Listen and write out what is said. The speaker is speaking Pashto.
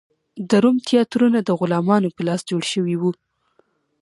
د روم تیاترونه د غلامانو په لاس جوړ شوي و.